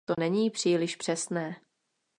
To není příliš přesné.